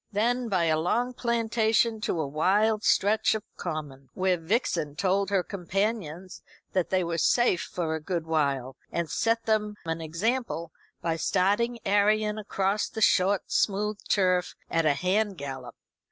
Then by a long plantation to a wild stretch of common, where Vixen told her companions that they were safe for a good while, and set them an example by starting Arion across the short smooth turf at a hand gallop.